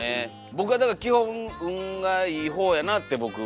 僕はだから基本運がいい方やなって僕思ってるんですよ。